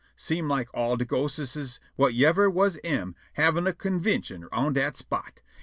Seem' like all de ghosteses whut yever was am havin' a convintion on dat spot.